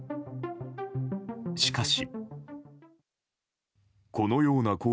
しかし。